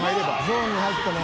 「ゾーンに入ったね」